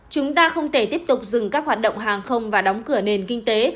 chúng ta không thể tiếp tục dừng các hoạt động hàng không và đóng cửa nền kinh tế